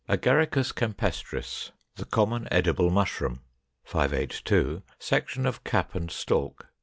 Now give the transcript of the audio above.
Agaricus campestris, the common edible Mushroom. 582. Section of cap and stalk.